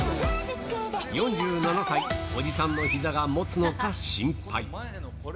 ４７歳、おじさんのひざがもつのか心配。